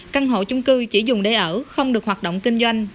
căn hộ trung cư chỉ dùng để ở không được hoạt động kinh doanh